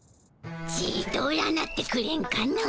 ちと占ってくれんかの。